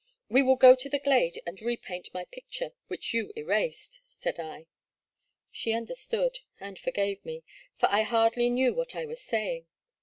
We will go to the glade and repaint my pic ture which you erased," said I. She understood and forgave me, for I hardly knew what I was sa3dng.